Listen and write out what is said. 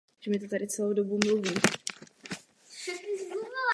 Později přešel i na thajský box a brazilské jiu jitsu.